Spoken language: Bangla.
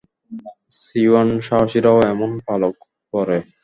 সিউয়ান সাহসীরাও এমন পালক পরে।